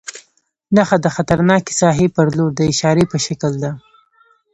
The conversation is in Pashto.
نښه د خطرناکې ساحې پر لور د اشارې په شکل ده.